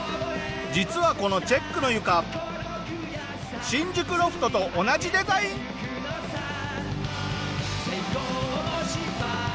実はこのチェックの床新宿ロフトと同じデザイン。